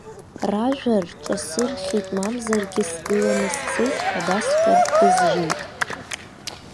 Ражәа рҿасырхьит, мамзаргьы сгыланы сцеит ҳәа басҳәар бызжьеит.